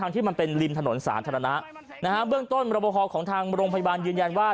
ที่มันเป็นริมถนนสาธารณะนะฮะเบื้องต้นรับประพอของทางโรงพยาบาลยืนยันว่า